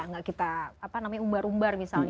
nggak kita umbar umbar misalnya